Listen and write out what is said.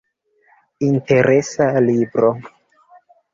Interesa libro.